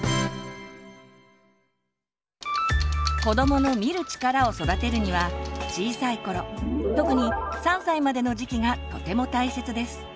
子どもの「見る力」を育てるには小さい頃特に３歳までの時期がとても大切です。